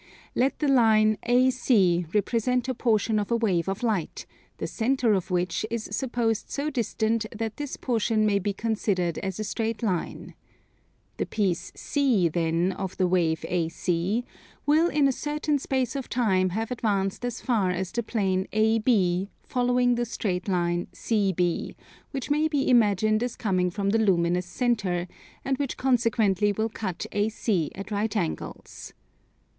Let the line AC represent a portion of a wave of light, the centre of which is supposed so distant that this portion may be considered as a straight line. The piece C, then, of the wave AC, will in a certain space of time have advanced as far as the plane AB following the straight line CB, which may be imagined as coming from the luminous centre, and which consequently will cut AC at right angles.